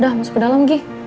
dah masuk ke dalam gi